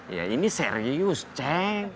ya ini serius ceng